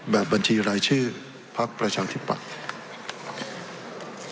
แบบบัญชีรายชื่อพักประชาธิปัตย์